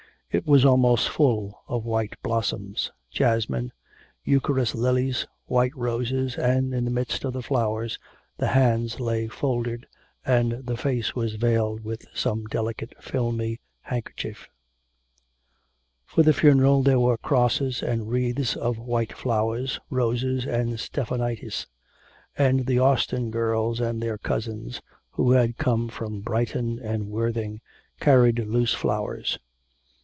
It was almost full of white blossoms jasmine, Eucharis lilies, white roses, and in the midst of the flowers the hands lay folded, and the face was veiled with some delicate, filmy handkerchief. For the funeral there were crosses and wreaths of white flowers, roses, and stephanotis. And the Austin girls and their cousins, who had come from Brighton and Worthing, carried loose flowers.